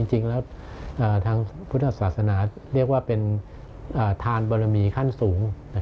จริงแล้วทางพุทธศาสนาเรียกว่าเป็นทานบรมีขั้นสูง